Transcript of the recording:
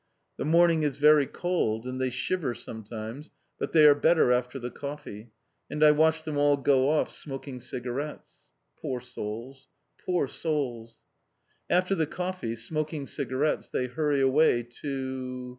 The morning is very cold, and they shiver sometimes, but they are better after the coffee and I watch them all go off smoking cigarettes. Poor souls! Poor souls! After the coffee, smoking cigarettes, they hurry away, to....